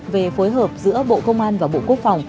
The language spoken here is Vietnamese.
về phối hợp giữa bộ công an và bộ quốc phòng